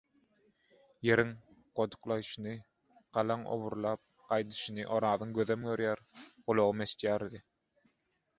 Ýeriň goduklaýşyny, galaň oburlyp gaýdyşyny Orazyň gözem görýär, gulagam eşidýärdi